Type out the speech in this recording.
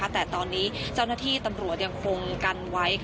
แต่ตอนนี้เจ้าหน้าที่ตำรวจยังคงกันไว้